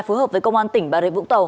phối hợp với công an tỉnh bà rịa vũng tàu